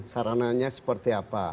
sarananya seperti apa